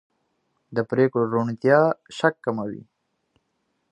د پرېکړو روڼتیا شک کموي